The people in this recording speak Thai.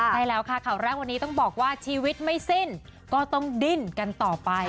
ใช่แล้วค่ะข่าวแรกวันนี้ต้องบอกว่าชีวิตไม่สิ้นก็ต้องดิ้นกันต่อไป